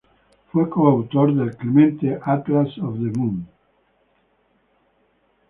Fue coautor del "Clementine Atlas of the Moon".